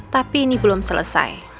tapi ini belum selesai